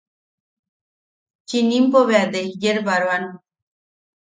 Chinimpo bea desyerbaroan.